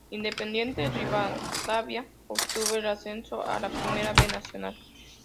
Independiente Rivadavia obtuvo el ascenso a la Primera B Nacional.